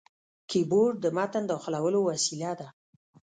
کیبورډ د متن داخلولو وسیله ده.